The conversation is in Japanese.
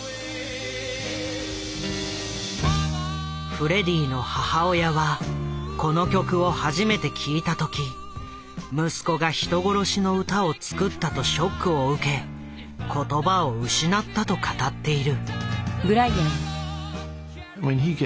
フレディの母親はこの曲を初めて聴いた時息子が人殺しの歌をつくったとショックを受け言葉を失ったと語っている。